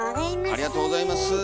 ありがとうございます。